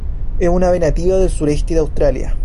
Es un ave nativa del sureste de Australia.